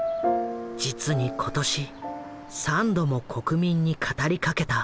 実に今年３度も国民に語りかけた。